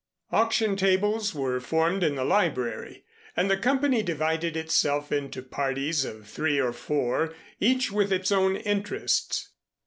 Auction tables were formed in the library and the company divided itself into parties of three or four, each with its own interests.